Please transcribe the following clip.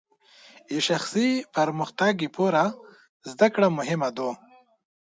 شخصي پرمختګ لپاره زدهکړه مهمه ده.